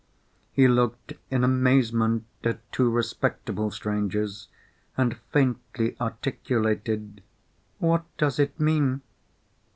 He looked in amazement at two respectable strangers, and faintly articulated, "What does it mean?"